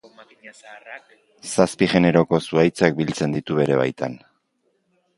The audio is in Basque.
Zazpi generoko zuhaitzak biltzen ditu bere baitan.